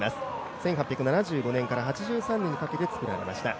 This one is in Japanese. １８７５年から８３年にかけて作られました。